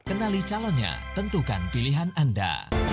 kenali calonnya tentukan pilihan anda